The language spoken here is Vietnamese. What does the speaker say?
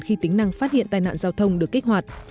khi tính năng phát hiện tai nạn giao thông được kích hoạt